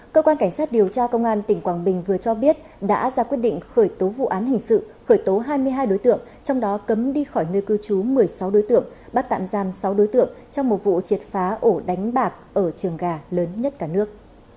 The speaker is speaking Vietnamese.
cơ quan cảnh sát điều tra công an tỉnh quảng bình vừa cho biết đã ra quyết định khởi tố vụ án hình sự khởi tố hai mươi hai đối tượng trong đó cấm đi khỏi nơi cư trú một mươi sáu đối tượng bắt tạm giam sáu đối tượng trong một vụ triệt phá ổ đánh bạc ở trường gà lớn nhất cả nước